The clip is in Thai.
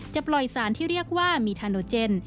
ปล่อยสารที่เรียกว่ามีทาโนเจน